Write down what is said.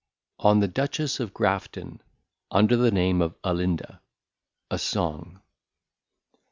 ON THE Dutchess of Grafton Under the Name of ALINDA. A SONG.